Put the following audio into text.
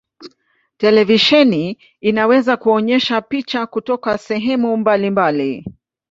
Televisheni inaweza kuonyesha picha kutoka sehemu mbalimbali.